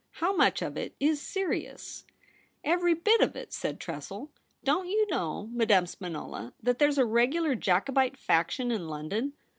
How much of it is serious ?'' Every bit of it,' said Tressel. * Don't you know, Madame Spinola, that there's a regular Jacobite faction in London